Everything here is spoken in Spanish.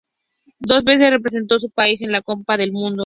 Dos veces representó a su país en la Copa del Mundo.